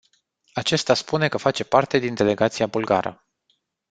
Acesta spune că face parte din delegația bulgară.